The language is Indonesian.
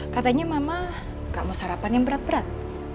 katanya mama gak mau sarapan yang berat berat